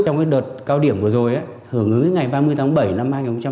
trong đợt cao điểm vừa rồi hưởng ứng ngày ba mươi tháng bảy